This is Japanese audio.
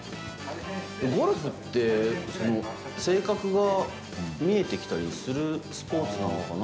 ゴルフって、性格が見えてきたりするスポーツなのかな。